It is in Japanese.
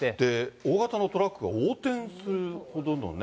大型のトラックが横転するほどのね。